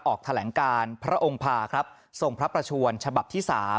ออกแถลงการพระองค์ภาครับทรงพระประชวนฉบับที่๓